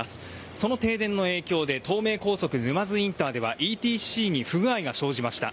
その停電の影響で東名沼津インターではＥＴＣに不具合が生じました。